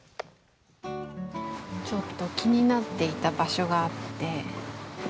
ちょっと気になっていた場所があって。